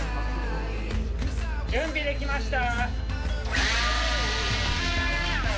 準備できました！